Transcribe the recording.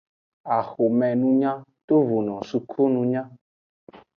Axomenunya tovono sukununya.